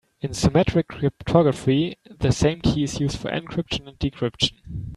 In symmetric cryptography the same key is used for encryption and decryption.